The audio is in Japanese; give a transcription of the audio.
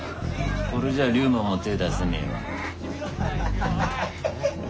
これじゃ龍門も手ぇ出せねえわ。